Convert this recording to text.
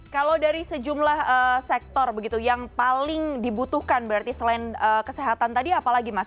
kalau dari sejumlah sektor begitu yang paling dibutuhkan berarti selain kesehatan tadi apalagi mas